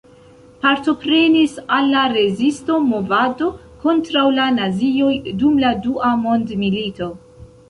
Partoprenis al la Rezisto-movado kontraŭ la nazioj dum la Dua mondmilito.